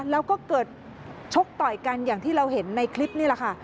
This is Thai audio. แล้วก็เกิดชกต่อยกันอย่างที่เราเห็นในคลิปนี่แหละค่ะ